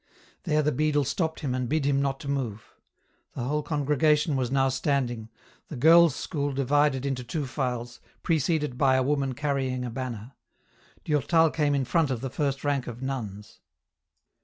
There the beadle stopped him and bid him not to move. The whole congregation was now standing, the girls' school divided into two files, preceded by a woman carry ing a banner. Durtal came in front of the first rank of nuns.